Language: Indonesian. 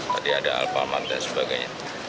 tadi ada alparman dan sebagainya